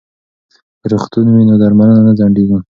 که روغتون وي نو درملنه نه ځنډیږي.